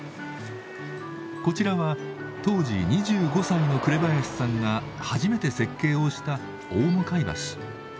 こちらは当時２５歳の紅林さんが初めて設計をした大向橋。